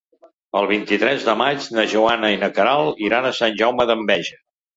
El vint-i-tres de maig na Joana i na Queralt iran a Sant Jaume d'Enveja.